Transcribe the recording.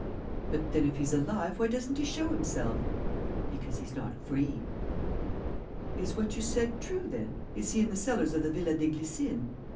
"But, then, if he's alive, why doesn't he show himself?" "Because he's not free." "Is what you said true, then? Is he in the cellars of the Villa des Glycines?"